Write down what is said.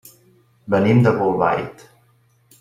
Venim de Bolbait.